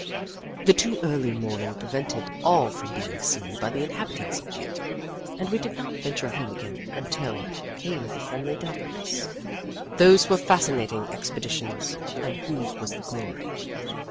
"The too early morning prevented all from being seen by the inhabitants of Butte, and we did not venture home again until came the friendly darkness. "Those were fascinating expeditions and whose was the glory?